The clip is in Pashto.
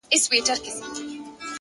علم د جهالت تر ټولو لوی دښمن دی.!